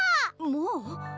もう？